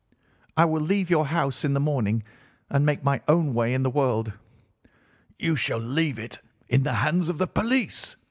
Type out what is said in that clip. I will leave your house in the morning and make my own way in the world.' "'You shall leave it in the hands of the police!